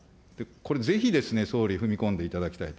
これ、ぜひですね、総理、踏み込んでいただきたい。